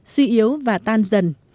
suy yếu và tan dần